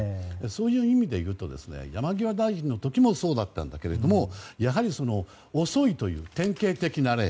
そういう意味で言うと山際大臣の時もそうだったんだけれどもやはり、遅いという典型的な例。